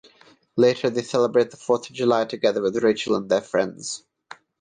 Later they celebrate the Fourth of July together with Rachel and their friends.